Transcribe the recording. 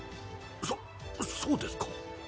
そそうですか。